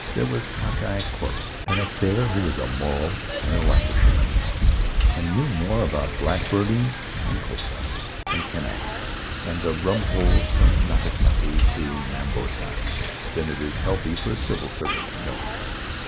There was Cock eye Corbett, an ex sailor, who was immoral and a Lancashireman, and knew more about blackbirding and copra and Kanakas, and the rum holes from Nagasaki to Mombasa, than it is healthy for a civil servant to know.